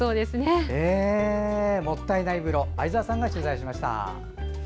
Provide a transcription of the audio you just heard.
もったいない風呂相沢さんが取材しました。